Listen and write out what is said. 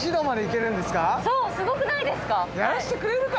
すごくないですか？